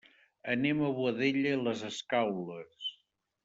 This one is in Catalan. Anem a Boadella i les Escaules.